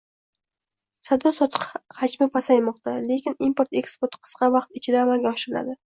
Savdo -sotiq xaƶmi pasajmoqda, lekin import eksporti qisqa vaqt ichida amalga oshiriladi